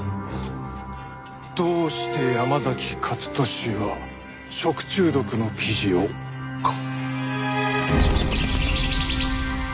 どうして山崎勝利は食中毒の記事をか。